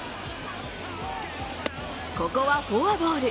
ここはフォアボール